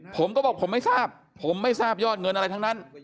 ผมก็บอกผมไม่ทราบผมไม่ทราบยอดเงินอะไรทั้งนั้น